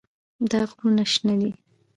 دا غرونه شنه دي.